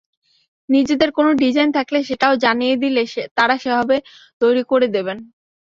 নিজেদের কোনো ডিজাইন থাকলে সেটাও জানিয়ে দিলে তাঁরা সেভাবে তৈরি করে দেবেন।